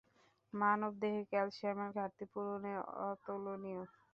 মানব দেহে ক্যালসিয়ামের ঘাটতি পূরণে অতুলনীয়।